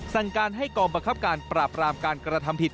สั่งการให้กองบังคับการปราบรามการกระทำผิด